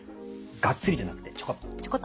がっつりじゃなくてちょこっと。